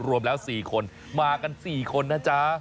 รวมแล้ว๔คนมากัน๔คนนะจ๊ะ